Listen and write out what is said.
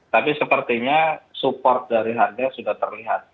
tapi sepertinya support dari harga sudah terlihat